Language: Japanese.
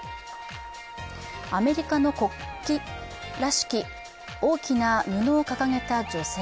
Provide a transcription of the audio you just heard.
アメリカの国旗らしき大きな布を掲げた女性。